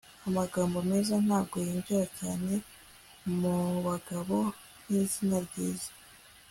amagambo meza ntabwo yinjira cyane mubagabo nk'izina ryiza